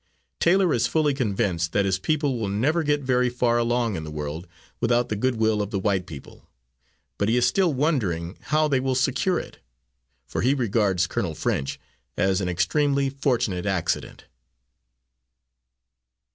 Taylor is fully convinced that his people will never get very far along in the world without the good will of the white people, but he is still wondering how they will secure it. For he regards Colonel French as an extremely fortunate accident.